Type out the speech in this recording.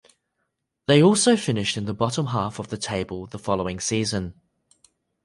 They also finished in the bottom half of the table the following season.